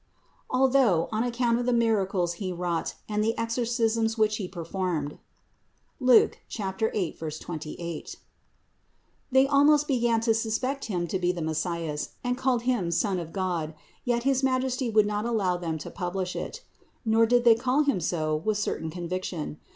Although, on account of the miracles He wrought and the exorcisms which He per formed (Luke 8, 28), they almost began to suspect Him to be the Messias, and called Him Son of God; yet his Majesty would not allow them to publish it about. Nor did they call Him so with certain conviction.